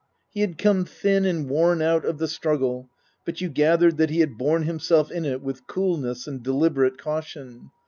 He had come thin and worn out of the struggle, but you gath'ered that he had borne himself in it with coolness and deliberate caution.